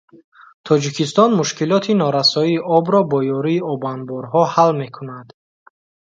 Тоҷикистон мушкилоти норасоии обро бо ёрии обанборҳо ҳал мекунад